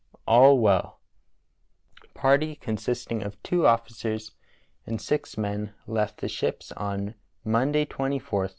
All well. Party consisting of 2 officers and 6 men left the ships on Monday 24th May 1847.